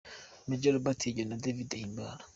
Major Robert Higiro na David Himbara